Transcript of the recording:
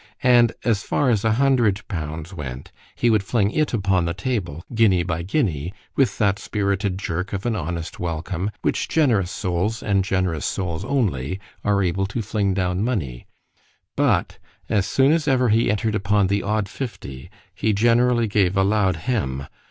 ——And as far as a hundred pounds went, he would fling it upon the table, guinea by guinea, with that spirited jerk of an honest welcome, which generous souls, and generous souls only, are able to fling down money: but as soon as ever he enter'd upon the odd fifty—he generally gave a loud _Hem!